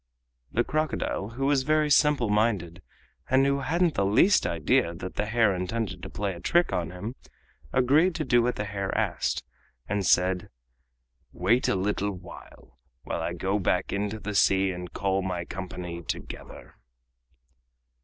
The crocodile, who was very simple minded, and who hadn't the least idea that the hare intended to play a trick on him, agreed to do what the hare asked, and said: "Wait a little while I go back into the sea and call my company together!"